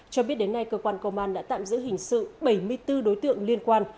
cho biết đến nay cơ quan công an đã tạm giữ hình sự bảy mươi bốn đối tượng liên quan